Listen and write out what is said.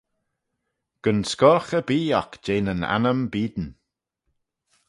Gyn scoagh erbee oc jeh nyn annym beayn.